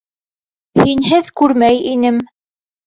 Һинһеҙ күрмәй инем.